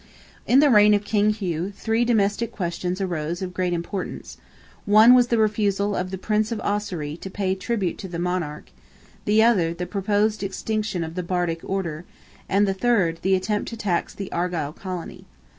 In the reign of King Hugh, three domestic questions arose of great importance; one was the refusal of the Prince of Ossory to pay tribute to the Monarch; the other, the proposed extinction of the Bardic Order, and the third, the attempt to tax the Argyle Colony.